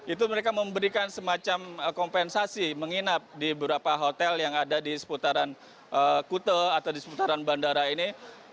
itu mereka memberikan semacam kompensasi menginap di beberapa hotel yang ada di seputaran kute atau di seputaran bandara ini